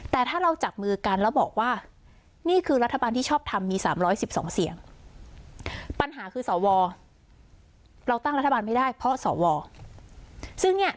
๓๑๒เสียงปัญหาคือสวเราตั้งรัฐบาลไม่ได้เพราะสวซึ่งเนี่ย